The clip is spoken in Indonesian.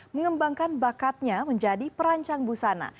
mengembangkan bakatnya menjadi perancang busana